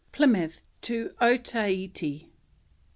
PLYMOUTH TO OTAHEITE.